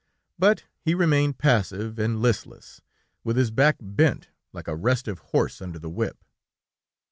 But he remained passive and listless, with his back bent like a restive horse under the whip.